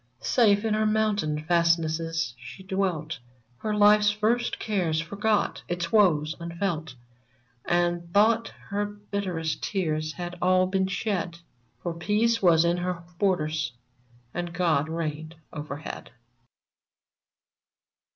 Safe in her mountain fastnesses she dwelt. Her life's first cares forgot, its woes unfelt, And thought her bitterest tears had all been shed, For peace was in her borders, and God reigned overhead.